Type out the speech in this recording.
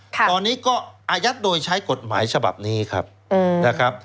ตอนนี้ก็อายัดโดยใช้กฎหมายฉภัพธ์นี้ครับ